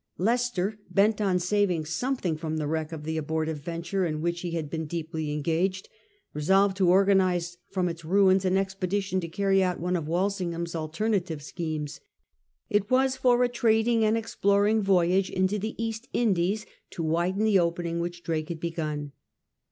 Leicester, bent on saving something from the wreck of the abortive venture in which he had been deeply engaged, resolved to organise from its ruins an expedition to carry out one of Walsingham's alter native schemes. It was for a trading and exploring voyage into the East Indies to widen the opening which Drake had begun.